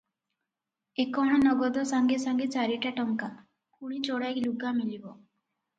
ଏ କ’ଣ ନଗଦ ସାଙ୍ଗେ ସାଙ୍ଗେ ଚାରିଟା ଟଙ୍କା, ପୁଣି ଯୋଡ଼ାଏ ଲୁଗା ମିଳିବ ।